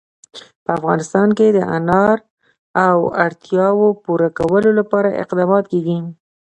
په افغانستان کې د انار د اړتیاوو پوره کولو لپاره اقدامات کېږي.